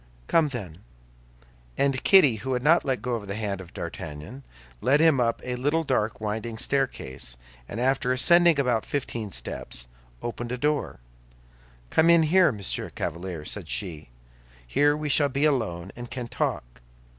"Come, then." And Kitty, who had not let go the hand of D'Artagnan, led him up a little dark, winding staircase, and after ascending about fifteen steps, opened a door. "Come in here, Monsieur Chevalier," said she; "here we shall be alone, and can talk."